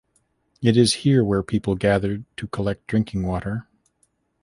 It is here where people gathered to collect drinking water.